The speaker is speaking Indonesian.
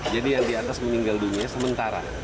jadi yang di atas meninggal dunia sementara